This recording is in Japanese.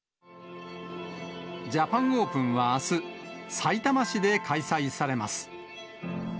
ジャパンオープンはあす、さいたま市で開催されます。